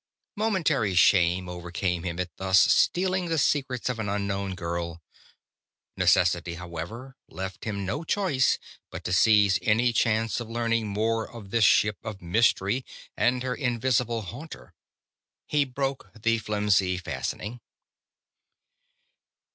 Momentary shame overcame him at thus stealing the secrets of an unknown girl. Necessity, however, left him no choice but to seize any chance of learning more of this ship of mystery and her invisible haunter. He broke the flimsy fastening.